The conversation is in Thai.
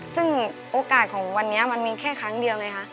ซึ่งโอกาสของวันนี้มันมีแค่ครั้งเดียวไงคะ